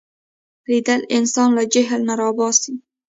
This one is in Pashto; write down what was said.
لیدل انسان له جهل نه را باسي